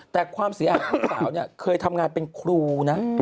แต่ความเสียหายลูกสาวเนี่ยเคยทำงานเป็นครูนะ